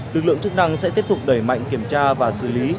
tương lượng thức năng sẽ tiếp tục đẩy mạnh kiểm tra và xử lý